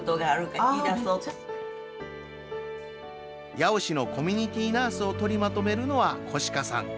八尾市のコミュニティナースを取りまとめるのは小鹿さん。